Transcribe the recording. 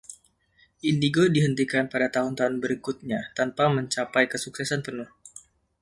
Indigo dihentikan pada tahun-tahun berikutnya tanpa mencapai kesuksesan penuh.